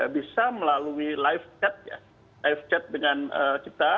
bisa melalui live chat dengan kita